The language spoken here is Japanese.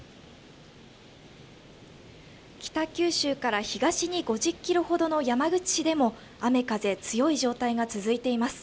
北九州から東に５０キロほどの山口市でも雨、風強い状態が続いています。